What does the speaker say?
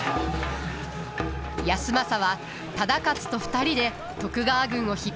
康政は忠勝と２人で徳川軍を引っ張ります。